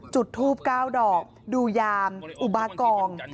จุดทูบ๙ดอกดูยามอุบากอง